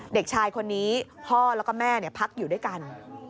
เด็กชายคนนี้พ่อแล้วก็แม่พักอยู่ด้วยกัน